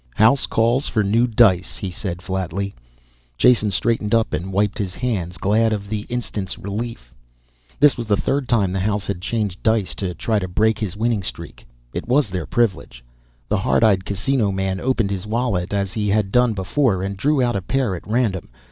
"House calls for new dice," he said flatly. Jason straightened up and wiped his hands, glad of the instant's relief. This was the third time the house had changed dice to try and break his winning streak, it was their privilege. The hard eyed Casino man opened his wallet as he had done before and drew out a pair at random.